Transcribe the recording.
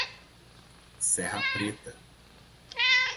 Serra Preta